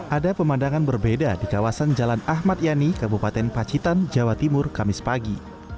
ada pemandangan berbeda di kawasan jalan ahmad yani kabupaten pacitan jawa timur kamis pagi